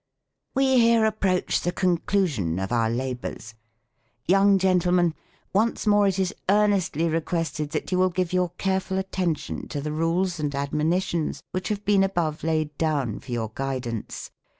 We here approach the conclusion of our labors. Young gentlemen, once more it is earnestly requested that you will give your careful attention to the rules and admonitions which have been above laid down for your guidance.